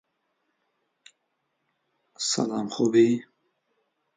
شێخ مەعسووم خەبەریان پێدەدا.